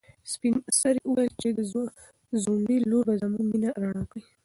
سپین سرې وویل چې د ځونډي لور به زموږ مېنه رڼا کړي.